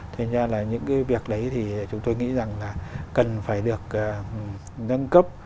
thế nên là những cái việc đấy thì chúng tôi nghĩ rằng là cần phải được nâng cấp